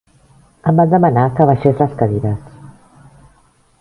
Em van demanar que baixés les cadires.